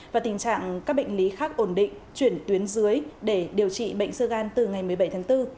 và tình trạng các bệnh lý khác ổn định chuyển tuyến dưới để điều trị bệnh sơ gan từ ngày một mươi bảy tháng bốn